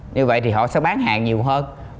như vậy thì họ sẽ bán hàng nhiều hơn